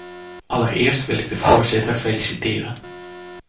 Allereerst wil ik de voorzitter feliciteren.